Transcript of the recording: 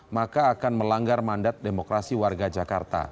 maka akan melanggar mandatnya